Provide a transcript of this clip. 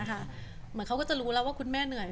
เหมือนเขาก็จะรู้แล้วว่าคุณแม่เหนื่อย